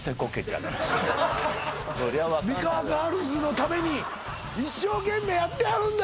ミカワガールズのために一生懸命やってはるんだ